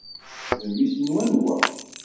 D mmi-s n wanwa?